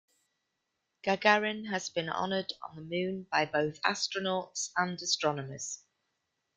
Gagarin has been honored on the Moon by both astronauts and astronomers.